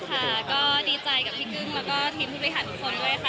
ใช่ค่ะก็ดีใจกับพี่กึ้งและทีมธุริหารทุกคนด้วยค่ะ